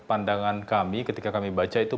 pandangan kami ketika kami baca itu